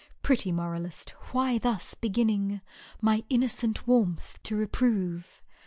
"— Pretty moralist ! why thus beginning My innocent warmth to reprove